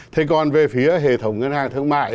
thế còn về phía hệ thống ngân hàng thương mại